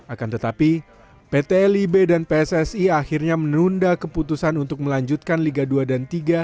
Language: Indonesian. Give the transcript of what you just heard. akan tetapi pt lib dan pssi akhirnya menunda keputusan untuk melanjutkan liga dua dan tiga